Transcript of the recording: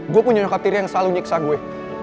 gue punya nyokap tiri yang selalu nyiksa gue